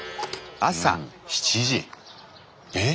７時えっ！